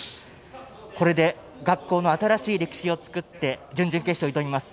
これで学校の新しい歴史を作って準々決勝に挑みます。